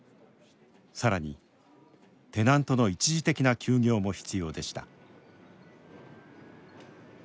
さらにテナントの一時的な休業も必要でした。